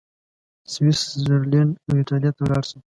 سویس زرلینډ او ایټالیې ته ولاړ شم.